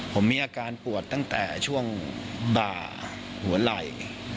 ผมมีอาการปวดตั้งแต่ช่วงบ่าหัวไหล่